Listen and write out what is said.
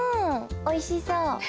おいしそう。